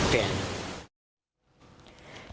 เปลี่ยน